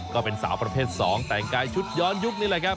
ก็เป็นสาวประเภท๒แต่งกายชุดย้อนยุคนี่แหละครับ